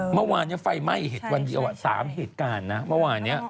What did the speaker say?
เมื่อวานไฟไหม้เหตุวันเดียว๓เหตุการณ์นะเมื่อวานนี้